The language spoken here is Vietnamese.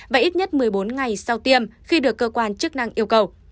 và ít nhất một mươi bốn ngày sau tiêm khi được cơ quan chức năng yêu cầu